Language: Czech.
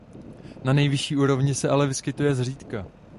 Na nejvyšší úrovni se ale vyskytuje zřídka.